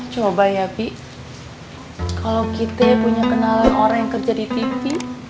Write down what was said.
coba ya bi kalau kita punya kenalan orang yang kerja di tv